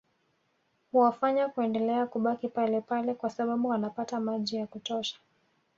Huwafanya kuendelea kubaki palepale kwa sababu wanapata maji ya kutosha